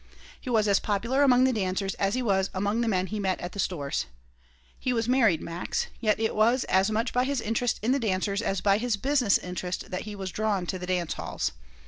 He was as popular among the dancers as he was among the men he met at the stores. He was married, Max, yet it was as much by his interest in the dancers as by his business interest that he was drawn to the dance halls.